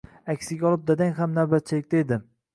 Aksiga olib dadang ham navbatchilikda edi